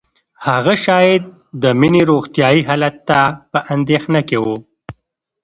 هغه شاید د مينې روغتیايي حالت ته په اندېښنه کې وه